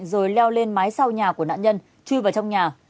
rồi leo lên mái sau nhà của nạn nhân chui vào trong nhà